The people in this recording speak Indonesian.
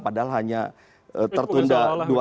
padahal hanya tertunda dua